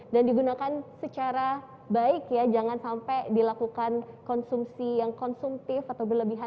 dan digunakan secara baik ya jangan sampai dilakukan konsumsi yang konsumtif atau berlebihan